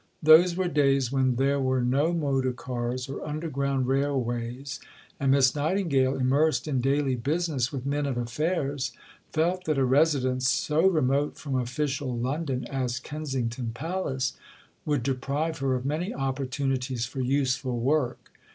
Those were days when there were no motor cars or underground railways; and Miss Nightingale, immersed in daily business with men of affairs, felt that a residence so remote from official London as Kensington Palace would deprive her of many opportunities for useful work.